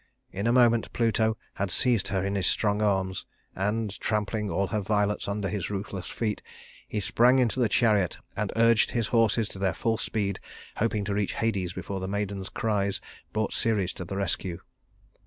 In a moment Pluto had seized her in his strong arms; and, trampling all her violets under his ruthless feet, he sprang into the chariot and urged his horses to their full speed, hoping to reach Hades before the maiden's cries brought Ceres to the rescue.